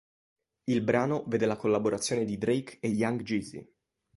Il brano vede la collaborazione di Drake e Young Jeezy.